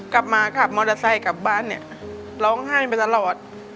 กลับมาขับมอเตอร์ไซค์กลับบ้านเนี่ยร้องไห้มาตลอด